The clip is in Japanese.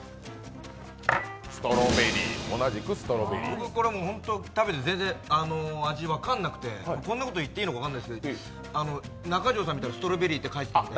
僕、これは食べて全然味分かんなくて、こんなこと言っていいのか分かんないですけど、中条さん見たら「ストロベリー」って書いてあったので。